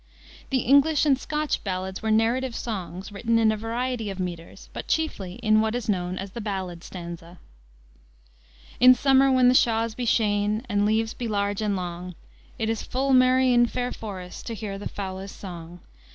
The English and Scotch ballads were narrative songs, written in a variety of meters, but chiefly in what is known as the ballad stanza. "In somer, when the shawes be sheyne, And leves be large and longe, Hit is full merry in feyre forést To here the foulys song.